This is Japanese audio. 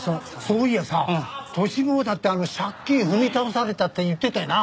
そういやさトシ坊だって借金踏み倒されたって言ってたよな。